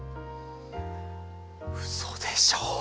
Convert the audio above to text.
うそでしょ。